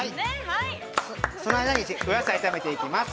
◆その間にお野菜を炒めていきます。